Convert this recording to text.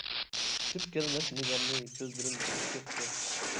كۈتۈپ كەلمەس نىگارنى، كۆزلىرىم تېلىپ كەتتى.